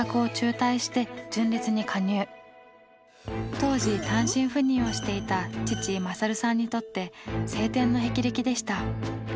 当時単身赴任をしていた父・勝さんにとって青天の霹靂でした。